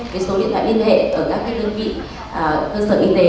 với số điện thoại liên hệ ở các cái đơn vị cơ sở y tế